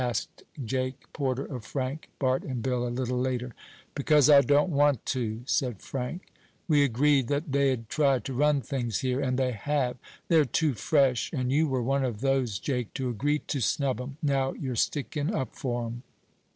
asked Jake Porter of Frank, Bart and Bill a little later. "Because I don't want to," said Frank. "We agreed that they'd try to run things here, and they have. They're too fresh. And you were one of those, Jake, to agree to snub 'em. Now you're sticking up for 'em."